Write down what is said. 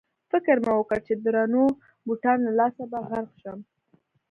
فکر مې وکړ چې د درنو بوټانو له لاسه به غرق شم.